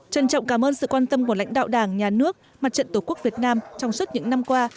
trân trọng cảm ơn sự quan tâm của lãnh đạo đảng nhà nước mặt trận tổ quốc việt nam trong suốt những năm qua